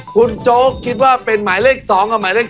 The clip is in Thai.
คุณโจ๊กคิดว่าเป็นหมายเลข๒กับหมายเลข๒